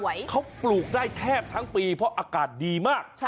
เขาปลูกได้แทบทั้งปีเพราะอากาศดีมาก